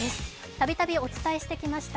たびたびお伝えしてきました